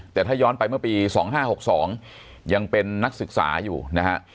แต่ถ้าย้อนไปเมื่อปี๒๕๖๒ยังเป็นนักศึกษาอยู่นะฮะ